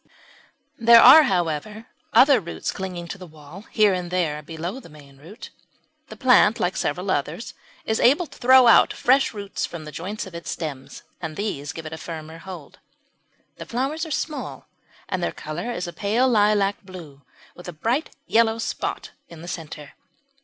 There are, however, other roots clinging to the wall here and there below the main root. The plant, like several others, is able to throw out fresh roots from the joints of its stems, and these give it a firmer hold. The flowers are small, and their colour is a pale lilac blue with a bright yellow spot in the centre.